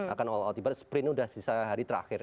akan all out tiba tiba sprint sudah sisa hari terakhir